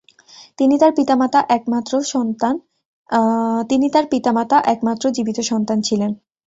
তিনি তার পিতামাতা একমাত্র জীবিত সন্তান ছিলেন।